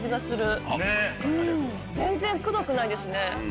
全然くどくないですね。